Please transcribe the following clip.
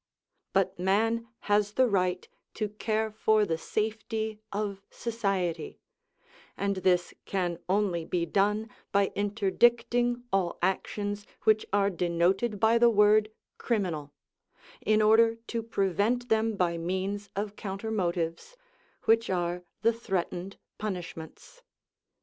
But man has the right to care for the safety of society; and this can only be done by interdicting all actions which are denoted by the word "criminal," in order to prevent them by means of counter motives, which are the threatened punishments.